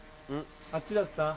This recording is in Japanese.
あっちだった？